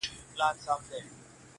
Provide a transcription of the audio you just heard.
چي قاضي ته چا درنه برخه ورکړله,